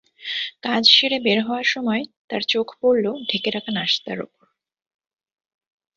কাজ সেরে বের হওয়ার সময় তাঁর চোখ পড়ল ঢেকে রাখা নাশতার ওপর।